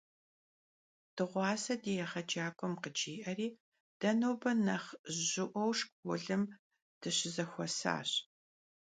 Dığuase di yêğecak'uem khıci'eri, de nobe nexh jı'ueu şşkolım dışızexuesaş.